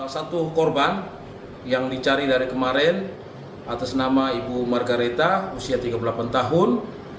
satu korban yang dicari dari kemarin atas nama ibu margaretha usia tiga puluh delapan tahun